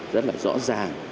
rất là rõ ràng